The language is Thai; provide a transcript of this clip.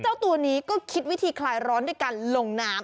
เจ้าตัวนี้ก็คิดวิธีคลายร้อนด้วยการลงน้ำ